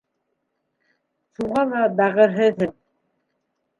Шуға ла бәғерһеҙһең.